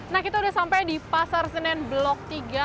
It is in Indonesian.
nah kita sudah sampai di pasar senen blok tiga